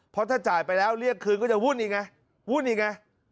เพราะถ้าจ่ายไปแล้วเรียกคืนก็จะวุ่นอีกไงวุ่นอีกไง